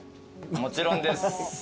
もちろんです。